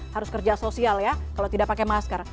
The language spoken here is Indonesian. harus kerja sosial ya kalau tidak pakai masker